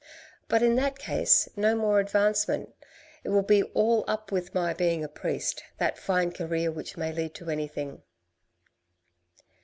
But in that case, no more advancement, it will be all up with my being a priest, that fine career which may lead to anything."